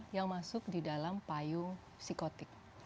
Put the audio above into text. yang masuk di dalam payung psikotik